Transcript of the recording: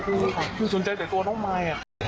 คือสนใจแต่ตัวน้องไม่อ่ะ